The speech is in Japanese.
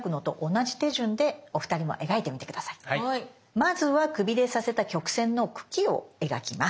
まずはくびれさせた曲線の茎を描きます。